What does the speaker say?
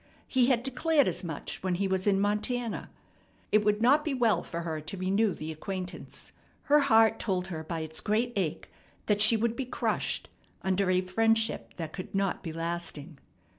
He had declared as much when he was in Montana. It would not be well for her to renew the acquaintance. Her heart told her by its great ache that she would be crushed under a friendship that could not be lasting.